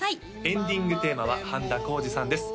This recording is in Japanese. エンディングテーマは半田浩二さんです